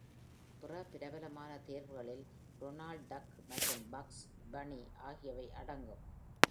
பிற பிரபலமான தேர்வுகளில் Donald Duck மற்றும் Bugs Bunny ஆகியவை அடங்கும்.